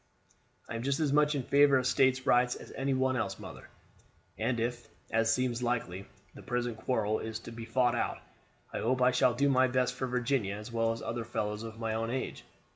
"I am just as much in favor of State rights as any one else, mother; and if, as seems likely, the present quarrel is to be fought out, I hope I shall do my best for Virginia as well as other fellows of my own age.